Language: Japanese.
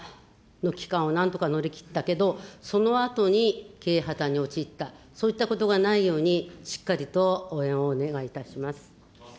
中小小規模事業の皆さんが、コロナの期間をなんとか乗り切ったけど、そのあとに経営破綻に陥った、そういったことがないように、しっかりと応援をお願いいたします。